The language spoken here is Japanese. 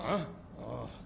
ああ。